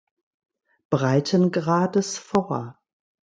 Breitengrades vor.